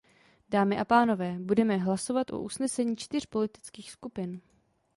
Dámy a pánové, budeme hlasovat o usnesení čtyř politických skupin.